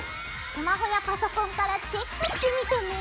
スマホやパソコンからチェックしてみてね。